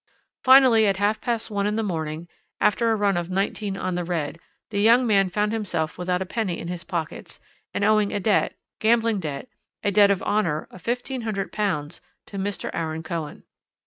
Finally, at half past one in the morning, after a run of nineteen on the red, the young man found himself without a penny in his pockets, and owing a debt gambling debt a debt of honour of £1500 to Mr. Aaron Cohen.